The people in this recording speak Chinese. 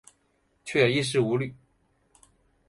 却也衣食无虑